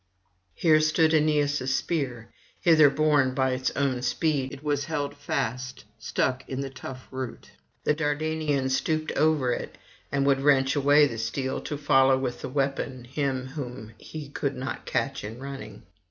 Here stood Aeneas' spear; hither borne by its own speed it was held fast stuck in the tough root. The Dardanian stooped over it, and would wrench away the steel, to follow with the weapon him whom he could not catch in running.